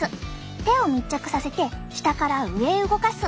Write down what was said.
手を密着させて下から上へ動かす。